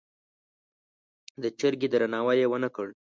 د جرګې درناوی یې ونه کړ.